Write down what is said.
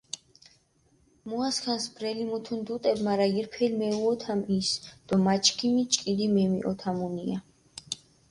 მუასქანს ბრელი მუთუნ დუტებ, მარა ირფელი მედინაფჷ ის დო მა ჩქიმი ჭკიდი მემიჸოთამუნია.